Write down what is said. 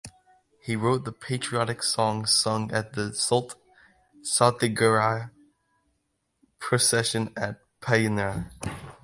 He wrote the patriotic songs sung at the Salt Satyagraha procession at Payyanur.